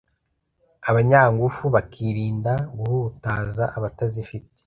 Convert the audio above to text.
abanyangufu bakirinda guhutaza abatazifite